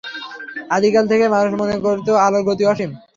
আদিকাল থেকেই মানুষ মনে করত আলোর গতি অসীম।